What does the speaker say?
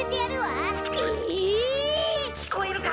きこえるか？